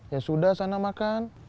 ya sudah sana makan